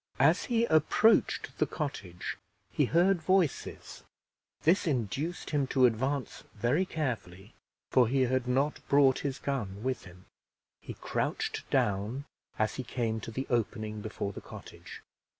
As he approached the cottage he heard voices; this induced him to advance very carefully, for he had not brought his gun with him. He crouched down as he came to the opening before the cottage.